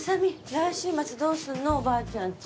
来週末どうすんのおばあちゃん家。